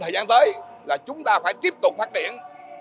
thời gian tới là chúng ta phải tiếp tục phát triển